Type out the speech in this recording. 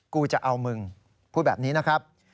กูจะเอามึงพูดแบบนี้นะครับ